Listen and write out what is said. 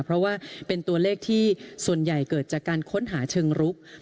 เพราะว่าเป็นตัวเลขที่ส่วนใหญ่เกิดจากการค้นหาเชิงรุก